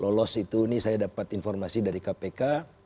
lolos itu ini saya dapat informasi dari kpk